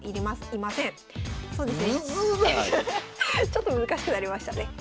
ちょっと難しくなりましたね。